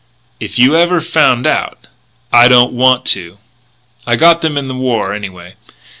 "If you ever found out " "I don't want to. I got them in the war, anyway.